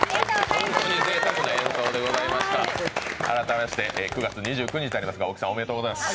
改めまして、９月２９日になりますが大木さんおめでとうございます。